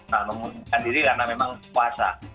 nah memungkinkan diri karena memang kuasa